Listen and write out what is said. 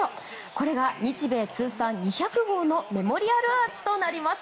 これが日米通算２００号のメモリアルアーチとなります。